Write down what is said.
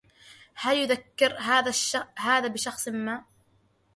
هل يذكّر هذا بشخص ما؟